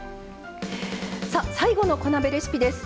最後の小鍋レシピです。